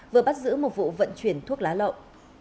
vừa bắt giữ một vụ vận chuyển thuốc lá lậu